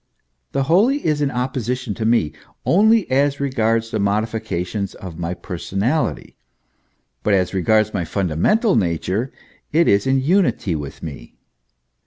The Holy is in opposition to me only as regards the modifications of my personality, but as regards my fundamental nature it is in unity with me.